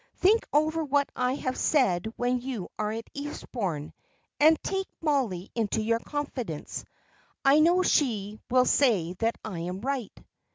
"Think over what I have said when you are at Eastbourne, and take Mollie into your confidence. I know she will say that I am right."